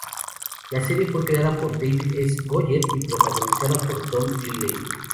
La serie fue creada por David S. Goyer y protagonizada por Tom Riley.